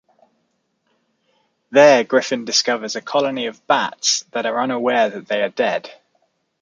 There, Griffin discovers a colony of bats that are unaware that they are dead.